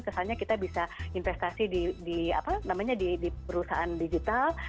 kesannya kita bisa investasi di apa namanya di perusahaan digital